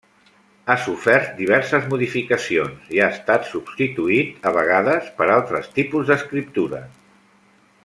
Ha sofert diverses modificacions i ha estat substituït a vegades per altres tipus d'escriptura.